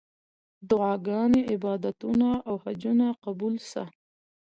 دعاګانې، عبادتونه او حجونه قبول سه.